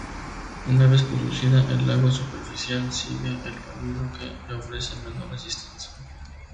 Una vez producida, el agua superficial sigue el camino que le ofrece menor resistencia.